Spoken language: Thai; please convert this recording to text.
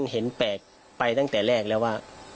เห็นแปลกไปตั้งแต่แรกแล้วว่า